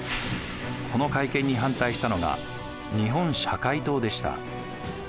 この改憲に反対したのが日本社会党でした。